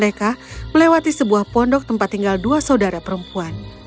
sebuah pondok di rumah mereka melewati sebuah pondok tempat tinggal dua saudara perempuan